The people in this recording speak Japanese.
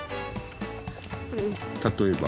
例えば？